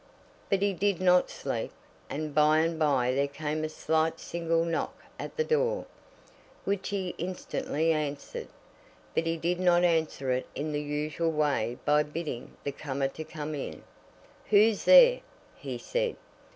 But he did not sleep, and by and by there came a slight single knock at the door, which he instantly answered. But he did not answer it in the usual way by bidding the comer to come in. "Who's there?" he said.